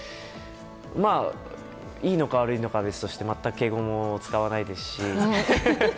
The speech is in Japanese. まあ、いいのか悪いのかは別として全く敬語も使わないですし。